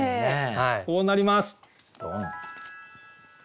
こうなります。